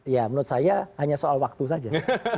ya menurut saya hanya soal waktu saja